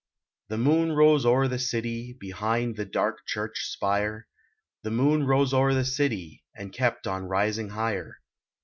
The moon rose o er the city Behind the dark church spire ; The moon rose o er the city And kept on rising higher.